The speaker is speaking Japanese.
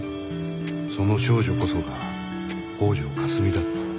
その少女こそが北條かすみだった。